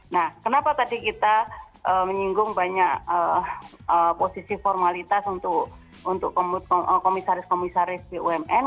nah kenapa tadi kita menyinggung banyak posisi formalitas untuk komisaris komisaris bumn